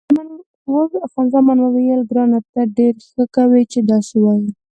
خان زمان وویل، ګرانه ته ډېره ښه کوې چې داسې وایې.